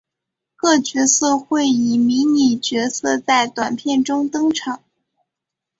各角色会以迷你角色在短篇中登场。